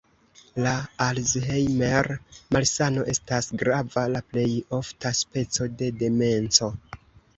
La Alzheimer-malsano estas grava, la plej ofta speco de demenco.